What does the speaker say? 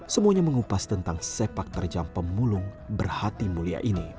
semuanya mengupas tentang sepak terjang pemulung berhati mulia ini